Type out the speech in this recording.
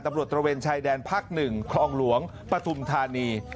ตำรวจตรวจตรวจชายแดนภาค๑คลองหลวงปฐุมธานี